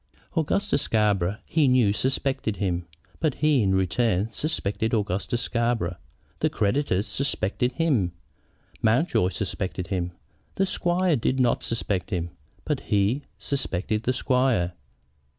Augustus Scarborough, he knew, suspected him. But he, in return, suspected Augustus Scarborough. The creditors suspected him. Mountjoy suspected him. The squire did not suspect him, but he suspected the squire.